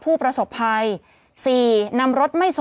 ผู้ต้องหาที่ขับขี่รถจากอายานยนต์บิ๊กไบท์